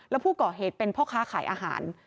แล้วผู้ก่อเหตุเป็นพ่อค้าขายอาหาร